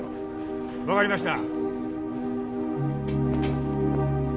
分かりました。